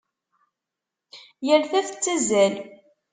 Yal ta tettazzal.